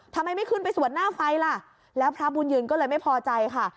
ทำไมไม่ขึ้นไปสวดหน้าไฟล่ะแล้วพระบุญยืนก็เลยไม่พอใจค่ะ